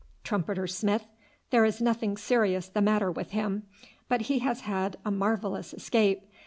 Trumpeter Smith? There is nothing serious the matter with him, but he has had a marvellous escape.